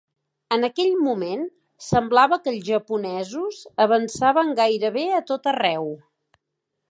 En aquell moment semblava que els japonesos avançaven gairebé a tot arreu.